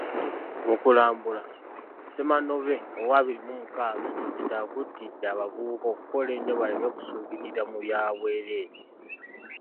Mukulambula, Ssemanobe ow'abiri mu mukaaga Kizito akuutidde abavubuka okukola ennyo baleme kusuubirira mu bya bwerere.